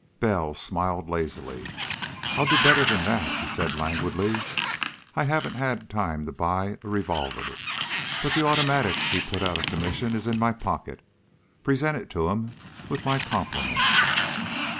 Bell smiled lazily. "I'll do better than that," he said languidly. "I haven't had time to buy a revolver. But the automatic he had put out of commission is in my pocket. Present it to him with my compliments."